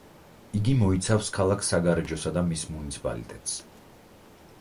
იგი მოიცავს ქალაქ საგარეჯოსა და მის მუნიციპალიტეტს.